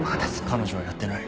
彼女はやってない。